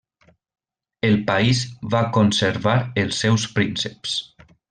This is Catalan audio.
El país va conservar els seus prínceps.